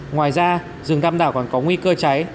ngoài ra rừng tam đảo còn có nguy cơ cháy